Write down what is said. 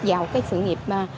vào sự nghiệp